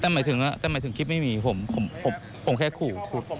แต่หมายถึงคลิปไม่มีผมผมแค่ครู